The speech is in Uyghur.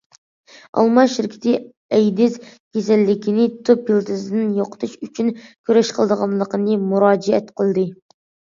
ئالما شىركىتى ئەيدىز كېسەللىكىنى تۈپ يىلتىزىدىن يوقىتىش ئۈچۈن كۈرەش قىلىدىغانلىقىنى مۇراجىئەت قىلدى.